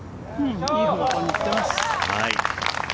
いい方向に行っています。